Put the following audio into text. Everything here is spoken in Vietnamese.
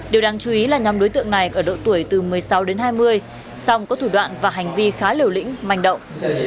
điều đáng chú ý là nhóm đối tượng này ở độ tuổi từ một mươi sáu đến hai mươi song có thủ đoạn và hành vi khá liều lĩnh manh động